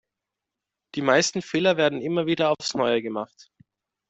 Die meisten Fehler werden immer wieder aufs Neue gemacht.